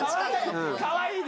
かわいいね！